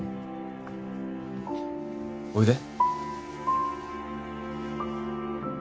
おいで。